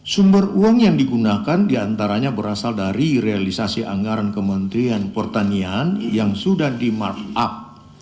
sumber uang yang digunakan diantaranya berasal dari realisasi anggaran kementerian pertanian yang sudah di markup